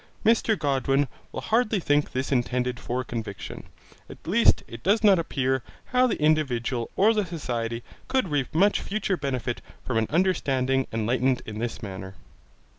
Mr Godwin will hardly think this intended for conviction, at least it does not appear how the individual or the society could reap much future benefit from an understanding enlightened in this manner.